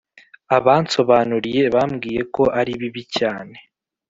Abansobanuriye, bambwiye ko ari bibi cyane